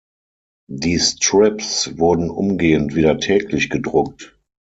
Die Strips wurden umgehend wieder täglich gedruckt.